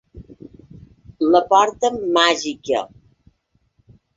La porta màgica!